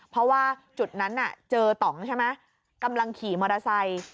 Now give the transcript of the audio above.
เพราะว่าจุดนั้นน่ะเจอต่องใช่ไหมกำลังขี่มอเตอร์ไซค์